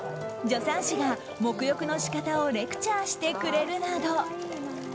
助産師が沐浴の仕方をレクチャーしてくれるなど